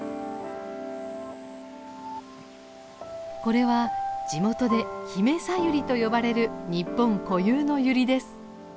これは地元で「ヒメサユリ」と呼ばれる日本固有のユリです。